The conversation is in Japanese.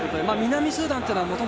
南スーダンというのはもとも